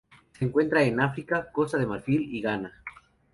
Se encuentran en África: Costa de Marfil y Ghana.